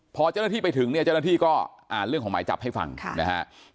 พอเจ้าหน้าที่ไปถึงเนี่ยเจ้าหน้าที่ก็อ่านเรื่องของหมายจับให้ฟังนะฮะ